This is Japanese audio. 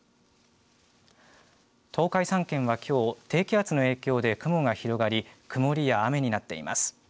東海３県はきょう低気圧の影響で雲が広がり曇りや雨になっています。